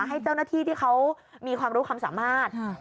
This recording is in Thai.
ให้เจ้าหน้าที่ที่เขามีความรู้ความสามารถ